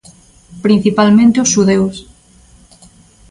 Principalmente os Xudeus.